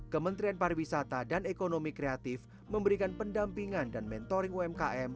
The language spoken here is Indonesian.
kementerian pariwisata dan ekonomi kreatif memberikan pendampingan dan mentoring umkm